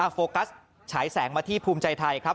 โฟกัสฉายแสงมาที่ภูมิใจไทยครับ